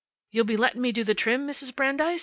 You'll be letting me do the trim, Mrs. Brandeis?"